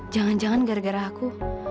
jangan jangan gara gara aku